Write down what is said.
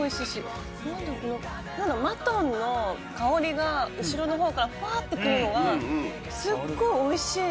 マトンの香りが後ろの方からふわっと来るのがすっごい美味しい。